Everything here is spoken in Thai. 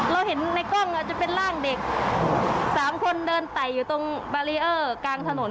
เราเห็นในกล้องอาจจะเป็นร่างเด็กสามคนเดินไต่อยู่ตรงบารีเออร์กลางถนน